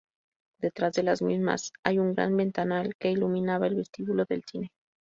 Detrás de las mismas hay un gran ventanal que iluminaba el vestíbulo del cine.